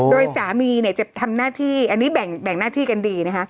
โดยสามีจะทำหน้าที่อันนี้แบ่งหน้าที่กันดี